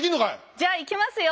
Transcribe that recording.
じゃいきますよ。